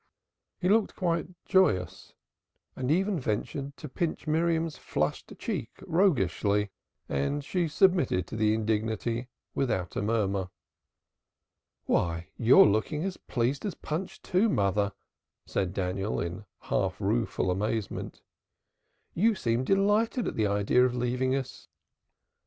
He looked quite joyous and even ventured to pinch Miriam's flushed cheek roguishly, and she submitted to the indignity without a murmur. "Why you're looking as pleased as Punch too, mother," said Daniel, in half rueful amazement. "You seem delighted at the idea of leaving us."